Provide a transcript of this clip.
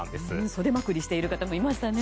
袖まくりしていた方もいましたね。